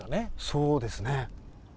そうですね。